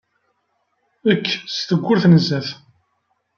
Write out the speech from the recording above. Ekk s tewwurt n sdat.